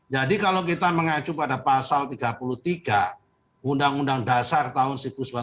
kalau kita mengacu pada pasal tiga puluh tiga undang undang dasar tahun seribu sembilan ratus empat puluh lima